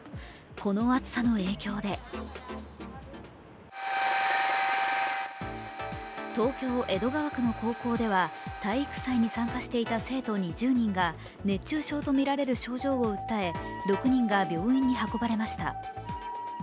この暑さの影響で東京・江戸川区の高校では体育祭に参加していた生徒２０人が熱中症とみられる症状を訴え６人が病院に運ばれました。